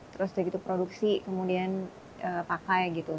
terus begitu produksi kemudian pakai gitu